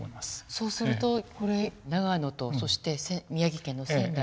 そうするとこれ長野とそして宮城県の仙台。